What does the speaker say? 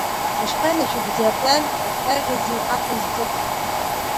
Ишԥанашәыгӡеи аплан акәтаӷь азы иҳақәыз ҵыԥх?